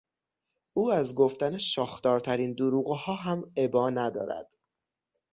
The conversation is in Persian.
او از گفتن شاخدارترین دروغها هم ابا ندارد.